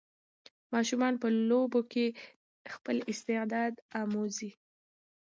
ماشومان په لوبو کې خپل استعداد ازمويي.